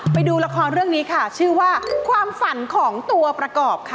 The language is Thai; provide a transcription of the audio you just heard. ไปดูละครเรื่องนี้ค่ะชื่อว่าความฝันของตัวประกอบค่ะ